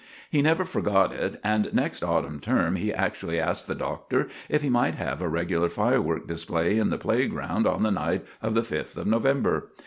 He never forgot it, and next autumn term he actually asked the Doctor if he might have a regular firework display in the playground on the night of the Fifth of November.